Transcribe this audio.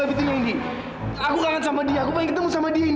si cantik nangis kan dari banyak ketemu sama aku